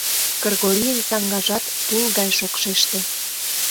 Кыргорийын саҥгажат тул гай шокшеште.